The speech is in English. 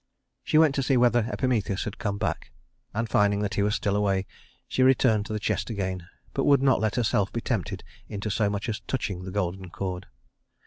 She went to see whether Epimetheus had come back, and finding that he was still away, she returned to the chest again, but would not let herself be tempted into so much as touching the golden cord.